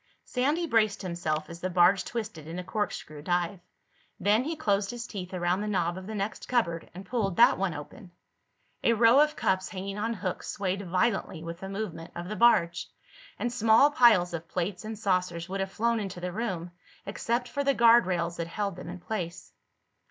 Sandy braced himself as the barge twisted in a corkscrew dive. Then he closed his teeth around the knob of the next cupboard and pulled that one open. A row of cups hanging on hooks swayed violently with the movement of the barge, and small piles of plates and saucers would have flown into the room except for the guard rails that held them in place.